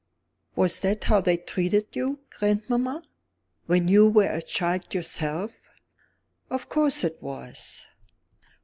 "Was that how they treated you, grandmamma, when you were a child yourself?" "Of course it was!"